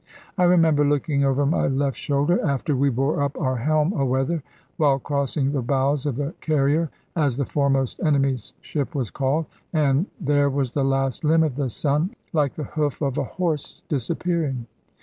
I remember looking over my left shoulder after we bore up our helm a weather, while crossing the bows of the Carrier (as the foremost enemy's ship was called), and there was the last limb of the sun like the hoof of a horse disappearing.